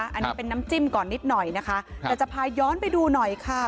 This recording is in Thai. อันนี้เป็นน้ำจิ้มก่อนนิดหน่อยนะคะแต่จะพาย้อนไปดูหน่อยค่ะ